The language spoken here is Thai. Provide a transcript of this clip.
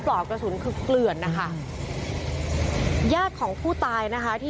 พวกมันต้องกินกันพี่